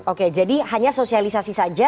oke jadi hanya sosialisasi saja